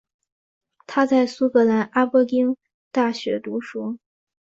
他在苏格兰阿伯丁大学读书。